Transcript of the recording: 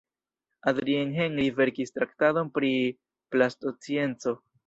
Adrien-Henri verkis traktaton pri plantoscienco.